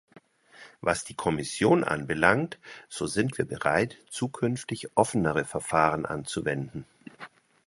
Was die Kommission anbelangt, so sind wir bereit, zukünftig offenere Verfahren anzuwenden.